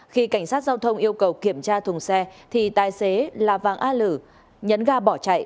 khi cảnh sát giao thông yêu cầu kiểm tra thùng xe thì tài xế là vàng a lử nhấn ga bỏ chạy